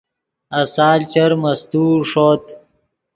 آسال چر مستوؤ ݰوت